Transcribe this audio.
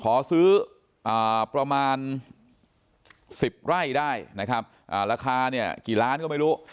ขอซื้อประมาณ๑๐ไร่ได้นะครับราคาเนี่ยกี่ล้านก็ไม่รู้